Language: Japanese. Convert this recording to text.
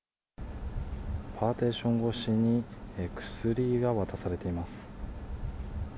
パーテーション越しに薬が渡されています。